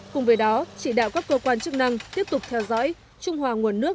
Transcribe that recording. cùng với đó chỉ đạo các cơ quan chức năng tiếp tục theo dõi trung hòa nguồn nước